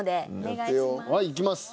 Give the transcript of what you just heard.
はいいきます。